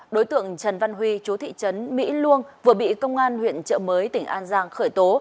đối tượng trần văn huy chú thị trấn mỹ luông vừa bị công an huyện trợ mới tỉnh an giang khởi tố